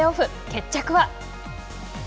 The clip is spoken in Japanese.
決着は。